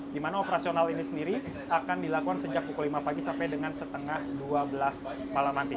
di mana operasional ini sendiri akan dilakukan sejak pukul lima pagi sampai dengan setengah dua belas malam nanti